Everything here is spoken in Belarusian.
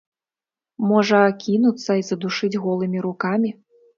Можа, кінуцца і задушыць голымі рукамі?